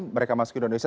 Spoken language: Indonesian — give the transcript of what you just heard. mereka masuk ke indonesia